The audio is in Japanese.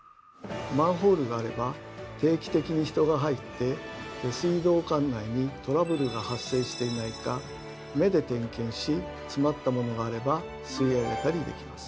マンホールがあれば定期的に人が入って下水道管内にトラブルが発生していないか目で点検し詰まったものがあれば吸い上げたりできます。